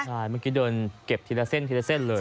ใช่เมื่อกี้เดินเก็บทีละเส้นทีละเส้นเลย